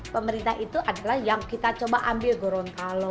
pemerintah itu adalah yang kita coba ambil gorontalo